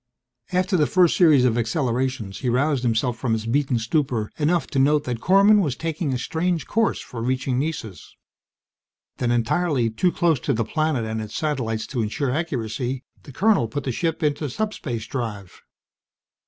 After the first series of accelerations, he roused himself from his beaten stupor enough to note that Korman was taking a strange course for reaching Nessus. Then, entirely too close to the planet and its satellites to ensure accuracy, the colonel put the ship into subspace drive.